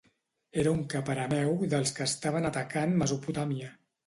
Era un cap arameu dels que estaven atacant Mesopotàmia.